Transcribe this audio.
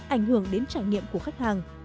ảnh hưởng đến trải nghiệm của khách hàng